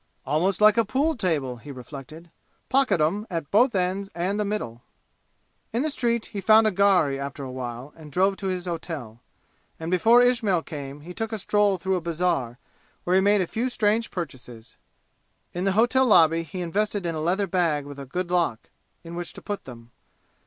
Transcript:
"Almost like a pool table," he reflected. "Pocket 'em at both ends and the middle!" In the street he found a gharry after a while and drove to his hotel. And before Ismail came he took a stroll through a bazaar, where he made a few strange purchases. In the hotel lobby he invested in a leather bag with a good lock, in which to put them.